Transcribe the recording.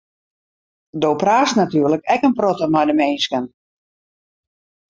Do praatst natuerlik ek in protte mei de minsken.